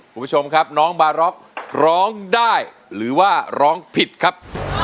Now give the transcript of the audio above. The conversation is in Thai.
คุณผู้ชมครับน้องบาร็อกร้องได้หรือว่าร้องผิดครับ